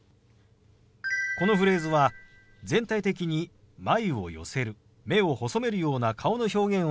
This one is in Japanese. このフレーズは全体的に眉を寄せる目を細めるような顔の表現をつけるのがポイントです。